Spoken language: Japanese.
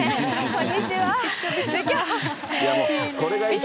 こんにちは。